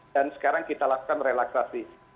dan sekarang kita lakukan relaksasi